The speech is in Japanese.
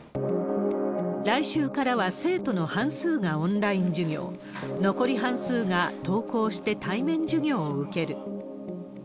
来週からは生徒の半数がオンライン授業、残り半数が登校して対面授業を受ける。